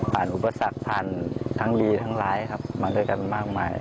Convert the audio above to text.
อุปสรรคผ่านทั้งดีทั้งร้ายครับมาด้วยกันมากมาย